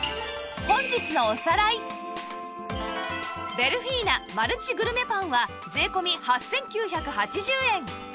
ベルフィーナマルチグルメパンは税込８９８０円